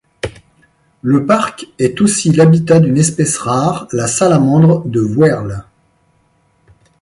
Le parc est aussi l'habitat d'une espèce rare, la salamandre de Wehrle.